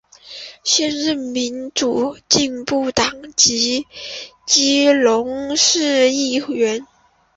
现任民主进步党籍基隆市议员。